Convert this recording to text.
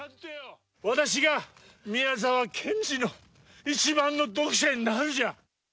私が、宮沢賢治の一番の読者になるじゃ！